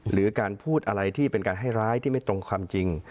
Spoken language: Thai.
หรือการพูดอะไรที่เป็นการให้ร้ายที่ไม่ตรงความจริง